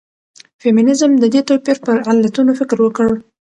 فيمنيزم د دې توپير پر علتونو فکر وکړ.